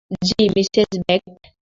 জ্বি, Mrs Bagot?